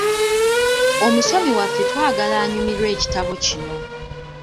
Omusomi waffe twagala anyumirwe ekitabo kino.